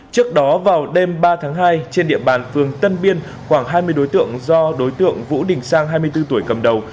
trước đó vào đêm ba tháng hai trên địa bàn phường tân biên khoảng hai mươi đối tượng do đối tượng vũ đình sang hai mươi bốn tuổi cầm đầu